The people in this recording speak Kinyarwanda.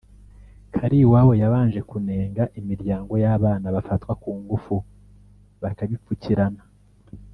Kaliwabo yabanje kunenga imiryango y’abana bafatwa ku ngufu bakabipfukirana